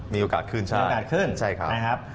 มีโอกาสขึ้นใช่ใช่ครับ